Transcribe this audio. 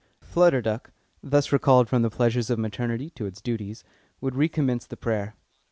Flutter Duck, thus recalled from the pleasures of maternity to its duties, would recommence the prayer.